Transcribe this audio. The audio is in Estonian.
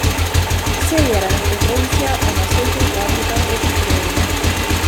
Seejärel peab reisija oma sõidu kaardiga registreerima.